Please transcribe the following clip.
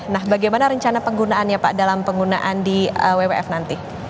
nah bagaimana rencana penggunaannya pak dalam penggunaan di wwf nanti